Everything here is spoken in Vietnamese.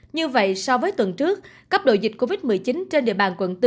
như vậy so với tuần trước cấp độ dịch covid một mươi chín trên địa bàn quận bốn